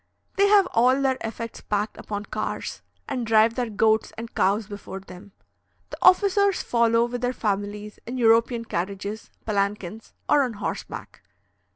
They have all their effects packed upon cars, and drive their goats and cows before them. The officers follow, with their families, in European carriages, palanquins, or on horseback.